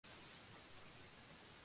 El sitio se convirtió en un solar vacío.